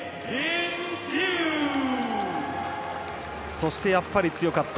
そして、やっぱり強かった。